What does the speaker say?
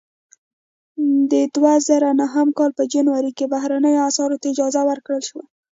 د دوه زره نهه کال په جنوري کې بهرنیو اسعارو ته اجازه ورکړل شوه.